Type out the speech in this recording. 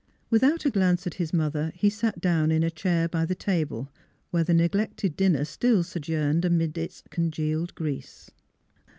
Without a glance at his mother he sat down in a chair by the table, where the neglected dinner still sojourned amid its con gealed grease.